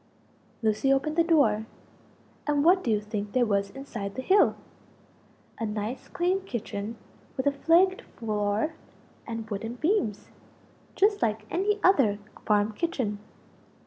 Lucie opened the door: and what do you think there was inside the hill? a nice clean kitchen with a flagged floor and wooden beams just like any other farm kitchen.